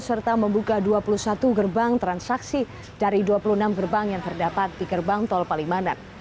serta membuka dua puluh satu gerbang transaksi dari dua puluh enam gerbang yang terdapat di gerbang tol palimanan